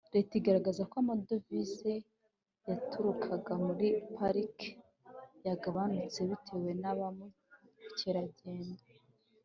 Leta igaragaza ko amadovize yaturukaga muri Parike yagabanutse bitewe naba mukera rugendo